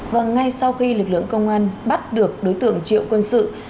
và ngay sau khi lực lượng công an bắt được đối tượng triệu quân sự